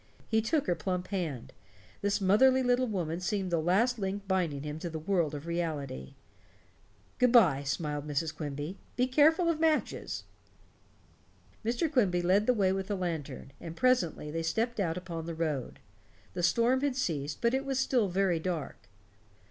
He took her plump hand; this motherly little woman seemed the last link binding him to the world of reality. "Good by," smiled Mrs. Quimby. "Be careful of matches." Mr. Quimby led the way with the lantern, and presently they stepped out upon the road. The storm had ceased, but it was still very dark.